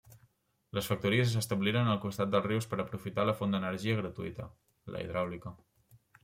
Les factories s'establiren al costat dels rius per aprofitar la font d'energia gratuïta, la hidràulica.